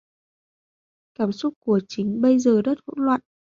Cảm xúc của Trính bây giờ rất hỗn loạn